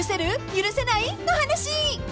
［許せない？の話］え？